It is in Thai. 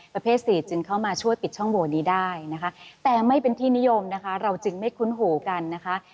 ประเภทสี่จึงเข้ามาช่วยปิดช่องโบนี้ได้นะคะแต่ไม่เป็นที่นิยมนะคะเราจึงไม่คุ้นหูกันนะคะ